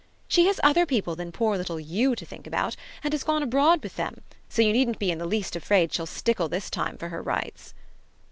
"She has other people than poor little YOU to think about, and has gone abroad with them; so you needn't be in the least afraid she'll stickle this time for her rights."